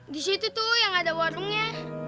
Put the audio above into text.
di situ tuh yang ada warungnya